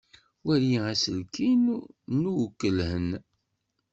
Wali aselkin n uwgelhen.